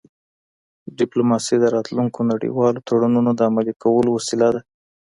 ډيپلوماسي د راتلونکي نړیوالو تړونونو د عملي کولو وسیله ده.